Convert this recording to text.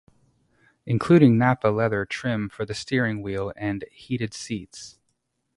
Including Nappa leather trim for the steering wheel and heated seats.